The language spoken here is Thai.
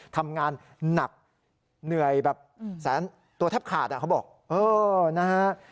ทำงานหนักเหนื่อยแบบแสนตัวแทบขาดอ่ะเขาบอกเออนะฮะ